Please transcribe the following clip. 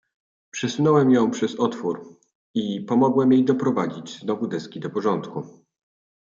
"Przesunąłem ją przez otwór, i pomogłem jej doprowadzić znowu deski do porządku."